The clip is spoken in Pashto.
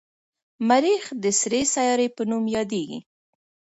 مریخ د سرې سیارې په نوم یادیږي.